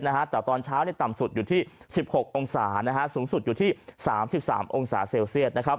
แต่ว่าตอนเช้าต่ำสุดอยู่ที่๑๖องศาเซลเซียสสูงสุดอยู่ที่๓๓องศาเซลเซียส